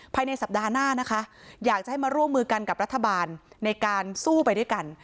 ภายในสัปดาห์หน้านะคะอยากจะให้มาร่วมมือกันกับรัฐบาลในการสู้ไปด้วยกัน